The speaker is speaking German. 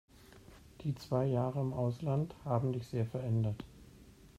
Die zwei Jahre im Ausland haben dich sehr verändert.